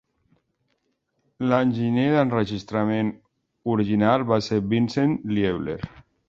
L'enginyer d'enregistrament original va ser Vincent Liebler.